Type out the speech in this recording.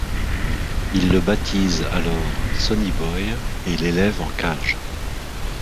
Ils le baptisent alors Sonny Boy et l'élèvent en cage.